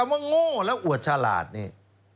คำว่าโง่และอวดฉลาดเนี่ย